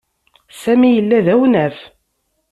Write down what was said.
Sami yella d awnaf.